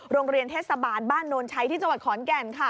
โรงเรียนเทศบาลบ้านโนนชัยที่จังหวัดขอนแก่นค่ะ